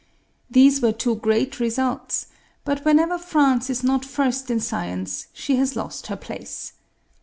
These were two great results; but whenever France is not first in science she has lost her place.